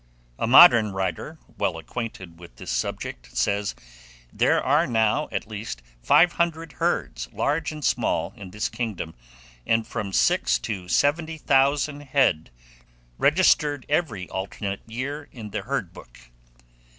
A modern writer, well acquainted with this subject, says, "There are now, at least, five hundred herds, large and small, in this kingdom, and from six to seven thousand head registered every alternate year in the herd book."